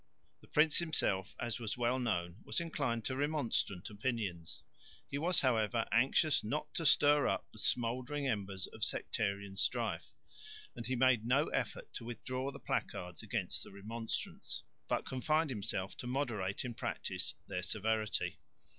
The prince himself, as was well known, was inclined to Remonstrant opinions. He was, however, anxious not to stir up the smouldering embers of sectarian strife, and he made no effort to withdraw the placards against the Remonstrants, but confined himself to moderate in practice their severity.